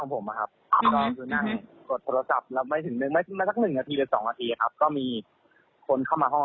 ผมเห็นเป็นเงาเงาตะท้อนจาก